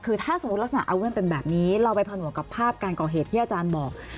คือถ้าสมมุติลักษณะอาเว่นเป็นแบบนี้เราไปผนวกกับภาพการก่อเหตุที่อาจารย์บอก